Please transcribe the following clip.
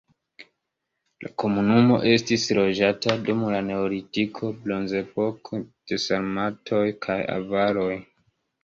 La komunumo estis loĝata dum la neolitiko, bronzepoko, de sarmatoj kaj avaroj.